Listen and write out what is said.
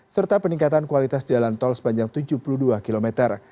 serta peningkatan kualitas jalan tol sepanjang tujuh puluh dua kilometer